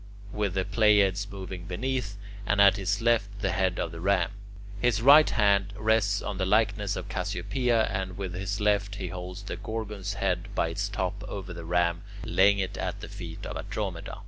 with the Pleiades moving beneath, and at his left the head of the Ram. His right hand rests on the likeness of Cassiopea, and with his left he holds the Gorgon's head by its top over the Ram, laying it at the feet of Andromeda.